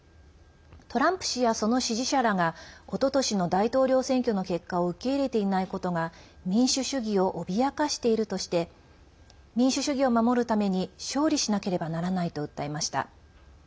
トランプ氏や、その支持者らがおととしの大統領選挙の結果を受け入れていないことが民主主義を脅かしているとして民主主義を守るために勝利しなければならないと訴えました。